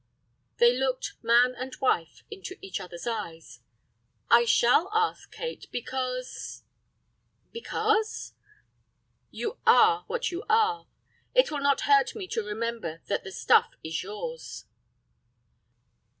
They looked, man and wife, into each other's eyes. "I shall ask, Kate, because—" "Because?" "You are what you are. It will not hurt me to remember that the stuff is yours."